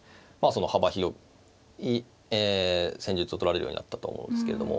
幅広い戦術をとられるようになったと思うんですけれども。